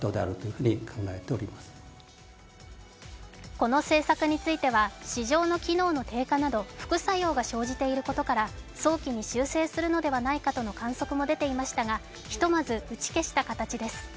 この政策については市場の機能の低下など副作用が生じていることから早期に修正するのではないかとの観測も出ていましたが、ひとまず打ち消した形です。